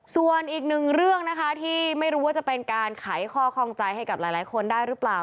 ส่วนอีกหนึ่งเรื่องนะคะที่ไม่รู้ว่าจะเป็นการไขข้อข้องใจให้กับหลายคนได้หรือเปล่า